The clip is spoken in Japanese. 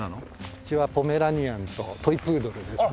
うちはポメラニアンとトイ・プードルですね。